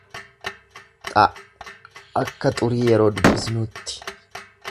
x akka xurii yeroo dubbisnuutti.